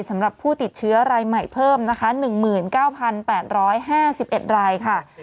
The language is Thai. สำหรับผู้ติดเชื้อรายใหม่เพิ่มนะคะ๑๙๘๕๑รายค่ะ